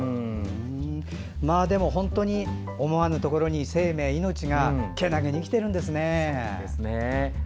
でも、本当に思わぬところに生命、命がけなげに生きているんですね。